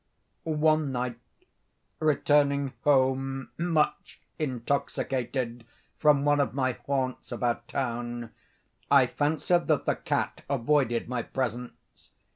One night, returning home, much intoxicated, from one of my haunts about town, I fancied that the cat avoided my presence.